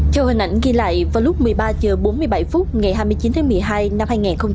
theo hình ảnh ghi lại vào lúc một mươi ba h bốn mươi bảy phút ngày hai mươi chín tháng một mươi hai năm hai nghìn hai mươi ba